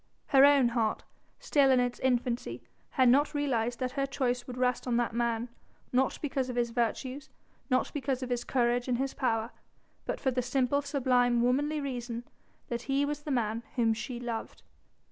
Her own heart still in its infancy had not realised that her choice would rest on that man, not because of his virtues, not because of his courage and his power, but for the simple, sublime, womanly reason that he was the man whom she loved.